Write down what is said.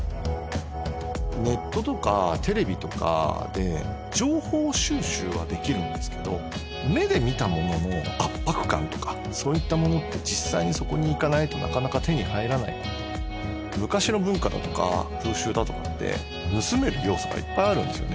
ネットとかテレビとかで情報収集はできるんですけど目で見たものの圧迫感とかそういったものって実際にそこに行かないとなかなか手に入らない昔の文化だとか風習だとかって盗める要素がいっぱいあるんですよね